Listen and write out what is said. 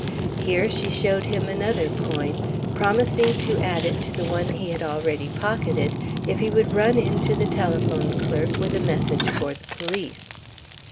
Here she showed him another coin, promising to add it to the one he had already pocketed if he would run in to the telephone clerk with a message for the police.